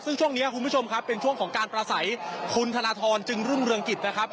ซึ่งช่วงนี้คุณผู้ชมครับเป็นช่วงของการประสัยคุณธนทรจึงรุ่งเรืองกิจนะครับ